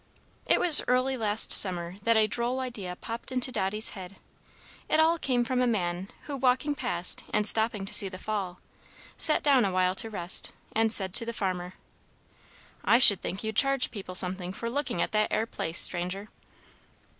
It was early last summer that a droll idea popped into Dotty's head. It all came from a man who, walking past, and stopping to see the fall, sat down a while to rest, and said to the farmer: "I should think you'd charge people something for looking at that ere place, stranger."